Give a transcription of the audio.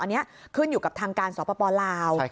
อันนี้ขึ้นอยู่กับทางการสปลาว